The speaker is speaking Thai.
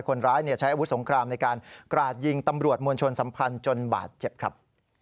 คนร้ายใช้อาวุธสงครามในการกราดยิงตำรวจมวลชนสัมพันธ์จนบาดเจ็บครับ